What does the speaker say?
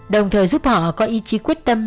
đồng thời giúp họ có ý chí quyết tâm